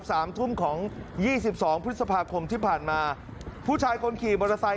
สามทุ่มของยี่สิบสองพฤษภาคมที่ผ่านมาผู้ชายคนขี่มอเตอร์ไซค